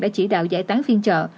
đã tạo giải tán phiên chợ